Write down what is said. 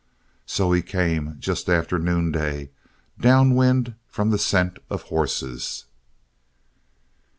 So he came, just after noonday, down wind from the scent of horses.